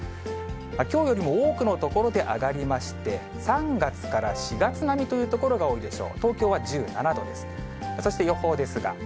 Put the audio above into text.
きょうよりも多くの所で上がりまして、３月から４月並みという所が多いでしょう。